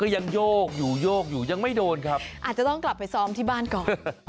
ยังโยกอยู่โยกอยู่ยังไม่โดนครับอาจจะต้องกลับไปซ้อมที่บ้านก่อน